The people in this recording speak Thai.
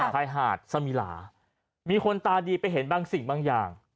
ชายหาดสมิลามีคนตาดีไปเห็นบางสิ่งบางอย่าง